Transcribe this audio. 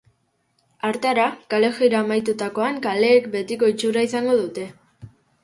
Hartara, kalejira amaitutakoan kaleek betiko itxura izango dute.